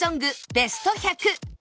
ベスト１００